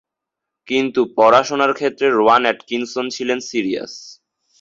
কিন্তু পড়াশোনার ক্ষেত্রে রোয়ান অ্যাটকিনসন ছিলেন সিরিয়াস।